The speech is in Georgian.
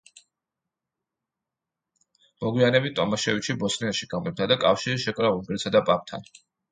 მოგვიანებით ტომაშევიჩი ბოსნიაში გამეფდა და კავშირი შეკრა უნგრეთსა და პაპთან.